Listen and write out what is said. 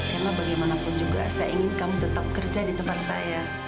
karena bagaimanapun juga saya ingin kamu tetap kerja di tempat saya